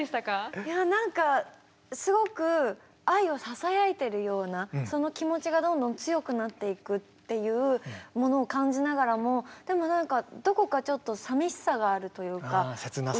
いやなんかすごく愛をささやいてるようなその気持ちがどんどん強くなっていくっていうものを感じながらもでもなんかあせつなさが。